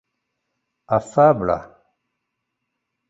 afabla